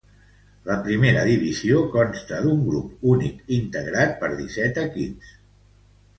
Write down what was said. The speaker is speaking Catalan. La Primera Divisió consta d'un grup únic integrat per dèsset equips.